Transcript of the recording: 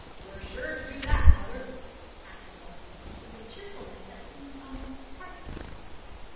'We're sure to do that, mother,' answered Reginald, with a cheerfulness that seemed almost heartless.